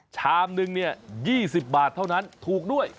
ชามนึงเนี่ย๒๐บาทเท่านั้นถูกด้วย